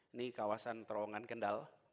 ini kawasan terowongan kendal